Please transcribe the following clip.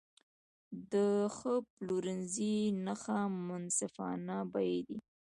د ښه پلورنځي نښه منصفانه بیې دي.